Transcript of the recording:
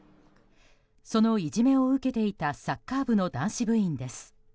そのいじめを受けていたサッカー部の男子部員です。